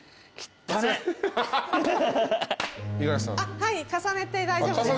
はい重ねて大丈夫です。